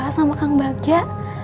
dede suka sama kang bagja